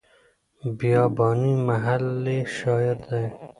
بیاباني محلي شاعر دی.